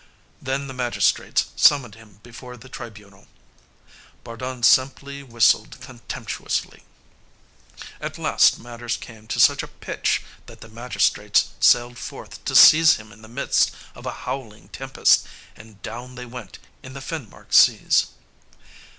Then the magistrates summoned him before the tribunal. Bardun simply whistled contemptuously. At last matters came to such a pitch that the magistrates sailed forth to seize him in the midst of a howling tempest, and down they went in the Finmark seas.